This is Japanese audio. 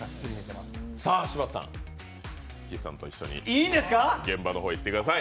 柴田さん、岸さんと一緒に現場の方に行ってください。